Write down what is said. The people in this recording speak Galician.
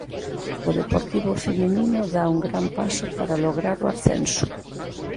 O Deportivo feminino dá un gran paso para lograr o ascenso.